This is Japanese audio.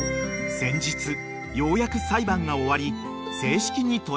［先日ようやく裁判が終わり］